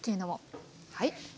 はい。